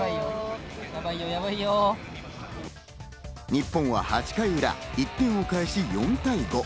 日本は８回裏、１点を返し、４対５。